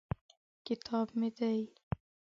کتاب مې دی.